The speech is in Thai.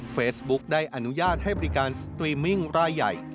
เฟซบุ๊คได้อนุญาตให้บริการสตรีมมิ่งรายใหญ่